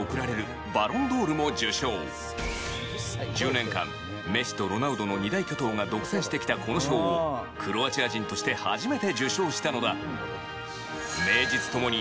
１０年間メッシとロナウドの二大巨頭が独占してきたこの賞をクロアチア人として初めて受賞したのだ。